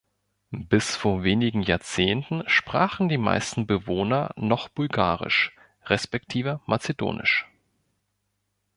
Bis vor wenigen Jahrzehnten sprachen die meisten Bewohner noch Bulgarisch respektive Mazedonisch.